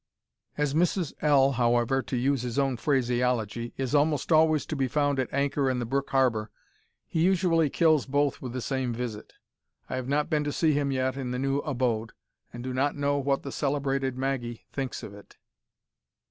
As Mrs L, however (to use his own phraseology), is almost always to be found at anchor in the Brooke harbour, he usually kills both with the same visit. I have not been to see him yet in the new abode, and do not know what the celebrated Maggie thinks of it.